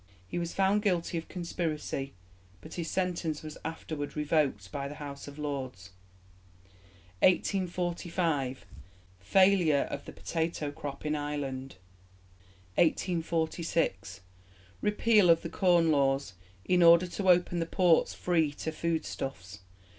He was found guilty of conspiracy, but his sentence was afterward revoked by the House of Lords. 1845. Failure of the potato crop in Ireland. 1846. Repeal of the Corn Laws, in order to open the ports free to food stuffs.